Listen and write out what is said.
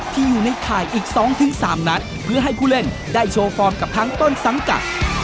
ที่อยู่ในข่ายอีก๒๓นัดเพื่อให้ผู้เล่นได้โชว์ฟอร์มกับทั้งต้นสังกัด